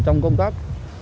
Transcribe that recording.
trong công tác